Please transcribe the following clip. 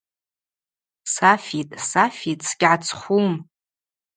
Сафитӏ, сафитӏ, сыгьгӏацхум.